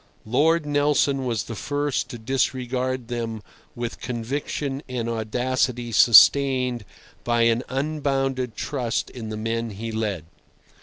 Lord Nelson was the first to disregard them with conviction and audacity sustained by an unbounded trust in the men he led.